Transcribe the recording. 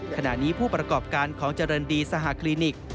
ขณะนี้ผู้ประกอบการของเจริญดีสหคลินิก